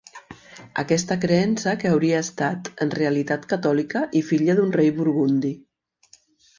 Aquesta creença que hauria estat, en realitat catòlica i filla d'un rei burgundi.